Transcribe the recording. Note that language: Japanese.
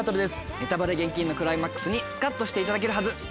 ネタバレ厳禁のクライマックスにスカっとしていただけるはず！